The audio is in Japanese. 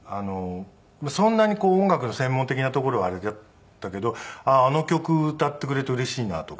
そんなに音楽の専門的なところはあれだったけどあの曲歌ってくれてうれしいなとか。